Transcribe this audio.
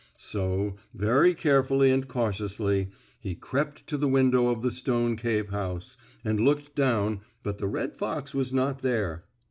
So, very carefully and cautiously, he crept to the window of the stone cave house, and looked down, but the red fox was not there.